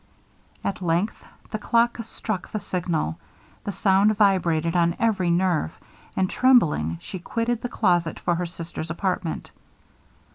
At length the clock struck the signal, the sound vibrated on every nerve, and trembling she quitted the closet for her sister's apartment.